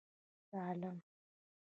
سالم.